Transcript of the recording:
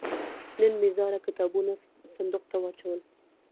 نن مې زاړه کتابونه صندوق ته واچول.